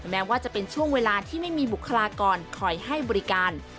แม้ว่าจะเป็นช่วงเวลาที่ไม่มีบุคลากรคอยให้บริการ